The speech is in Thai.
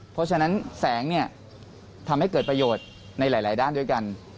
เพราะฉะนั้นแสงเนี่ยทำให้เกิดประโยชน์ในหลายด้านด้วยกัน